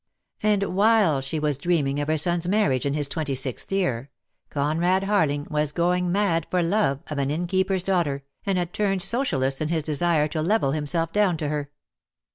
And while she was dreaming of her son's mar riage in his twenty sixth year, Conrad Harling was going mad for love of an innkeeper's daughter, and had turned socialist in his desire to level himself down to her.